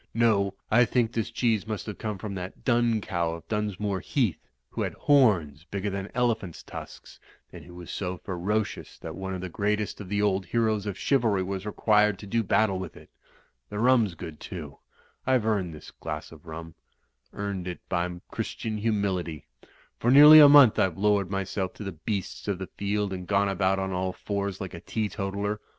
No, I think this cheese must have come from that Dun Cow of Dunsmore Heath, who had horns bigger than elephant's tusks, and who was so ferocious that one of the greatest of the old heroes of chivalry Ivas required to do battle with it. The rum's good, too. I've earned this glass of rum — earned it by Digitized by CjOOQIC 268 THE FLYING INN Christian humility. For nearly a month IVc lowered myself to the beasts of the field, and gone about on all fours like a teetotaler.